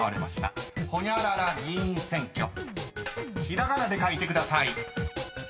［ひらがなで書いてください］